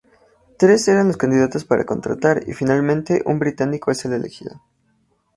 Tres eran los candidatos para contratar y finalmente un británico es el elegido.